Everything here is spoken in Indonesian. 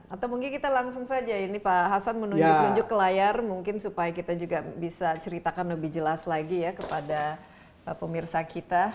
atau mungkin kita langsung saja ini pak hasan menunjuk nunjuk ke layar mungkin supaya kita juga bisa ceritakan lebih jelas lagi ya kepada pemirsa kita